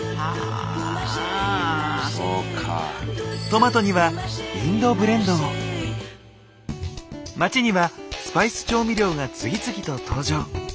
トマトには街にはスパイス調味料が次々と登場。